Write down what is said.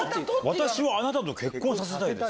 私はあなたと結婚させたいです？